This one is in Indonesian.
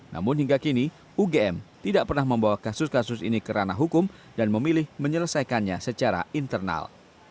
namun hingga kini ugm tidak pernah membawa kasus kasus ini ke ranah hukum dan memilih menyelesaikannya secara internal